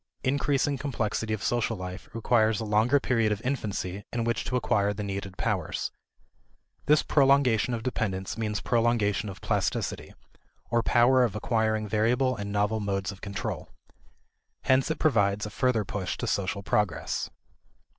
Increasing complexity of social life requires a longer period of infancy in which to acquire the needed powers; this prolongation of dependence means prolongation of plasticity, or power of acquiring variable and novel modes of control. Hence it provides a further push to social progress.